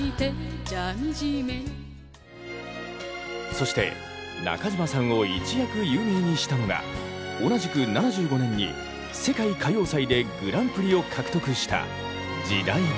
そして中島さんを一躍有名にしたのが同じく７５年に世界歌謡祭でグランプリを獲得した「時代」です。